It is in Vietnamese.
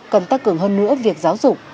cần tăng cường hơn nữa việc giáo dục